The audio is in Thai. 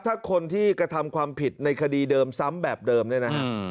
ถ้าคนที่กระทำความผิดในคดีเดิมซ้ำแบบเดิมเนี่ยนะฮะ